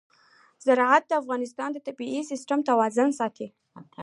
زراعت د افغانستان د طبعي سیسټم توازن ساتي.